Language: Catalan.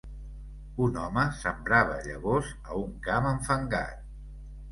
Un home sembra llavors a un camp enfangat